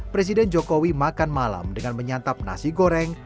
presiden jokowi makan malam dengan menyantap nasi goreng